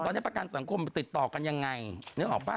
ตอนนี้ประกันสังคมติดต่อกันยังไงนึกออกป่